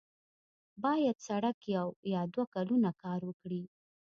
باید سړک یو یا دوه کلونه کار ورکړي.